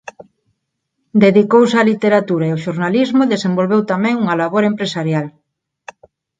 Dedicouse á literatura e ó xornalismo e desenvolveu tamén unha labor empresarial.